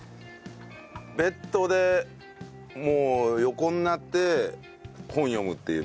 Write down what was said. ベッドでもう横になって本読むっていう。